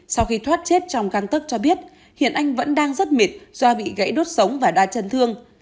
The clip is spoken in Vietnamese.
sau khi thoát chết trong găng tức cho biết hiện anh vẫn đang rất mịt do bị gãy đốt sống và đa chân thương